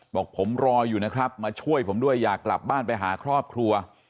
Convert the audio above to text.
บอกผมรออยู่นะครับมาช่วยผมด้วยอยากกลับบ้านไปหาครอบครัว